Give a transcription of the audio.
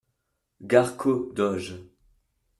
- Guarco, doge.